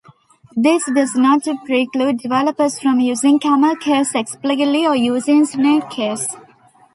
This does not preclude developers from using camelcase explicitly or using snakecase.